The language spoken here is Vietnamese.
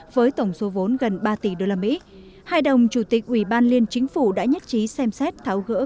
với tổng số vốn gần ba tỷ usd hai đồng chủ tịch ủy ban liên chính phủ đã nhất trí xem xét tháo gỡ